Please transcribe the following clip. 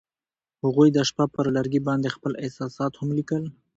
هغوی د شپه پر لرګي باندې خپل احساسات هم لیکل.